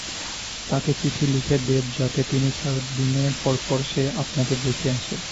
তাকে চিঠি লিখে দেব যাতে তিন-চারদিন পরপর সে আপনাকে দেখে আসে।